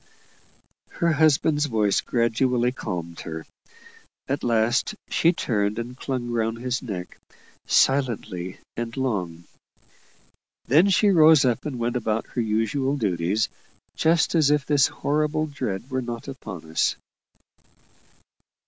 Her husband's voice gradually calmed her. At last, she turned and clung round his neck, silently and long. Then she rose up and went about her usual duties, just as if this horrible dread were not upon us.